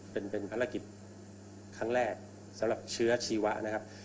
เป็นภารกิจครั้งแรกสำหรับเชื้อชีวะนะครับ